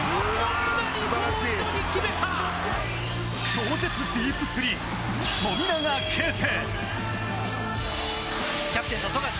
超絶ディープスリー、富永啓生。